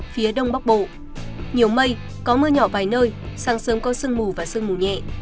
phía đông bắc bộ nhiều mây có mưa nhỏ vài nơi sáng sớm có sương mù và sương mù nhẹ